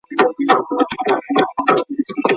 د پنجشېر زمرد بې ارزښته نه دي.